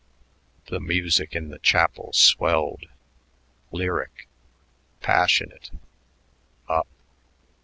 The music in the chapel swelled, lyric, passionate up!